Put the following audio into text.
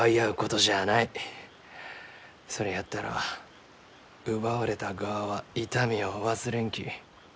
それやったら奪われた側は痛みを忘れんき。